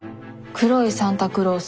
「黒いサンタクロース。